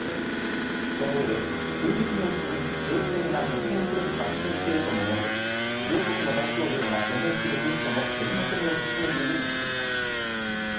その上で数日のうちに停戦が実現すると確信しているとも述べ、両国の大統領が署名する文書の取りまとめを進めているとしています。